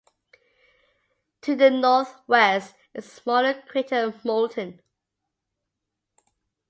To the northwest is the smaller crater Moulton.